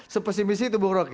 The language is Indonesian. sepesimis itu bu rocky